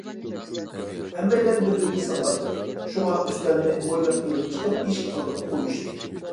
ھەممەيلەن بىر ئۆيگە سىغمايتتى، شۇڭا ئۈستەلنى ھويلىغا ئېلىپ چىقىپ ئىشىك ئالدىغا قويۇشتى.